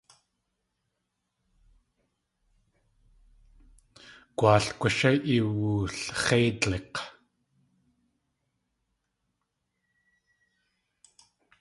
Gu.aal kwshé iwulx̲éidlik̲.